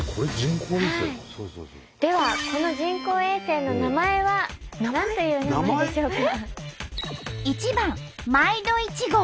ではこの人工衛星の名前は何という名前でしょうか？